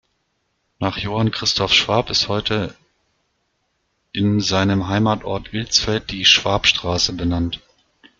Nach Johann Christoph Schwab ist heute in seinem Heimatort Ilsfeld die "Schwabstraße" benannt.